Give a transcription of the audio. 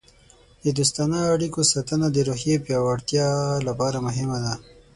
د دوستانه اړیکو ساتنه د روحیې د پیاوړتیا لپاره مهمه ده.